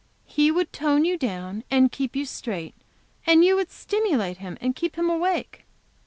He would tone you down and keep you straight, and you would stimulate him and keep him awake."